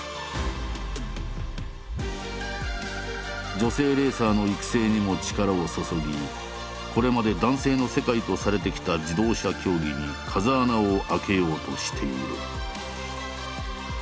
女性レーサーの育成にも力を注ぎこれまで男性の世界とされてきた自動車競技に風穴を開けようとしている。